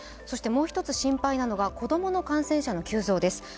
もう一つ心配なのが子供の感染者の急増です。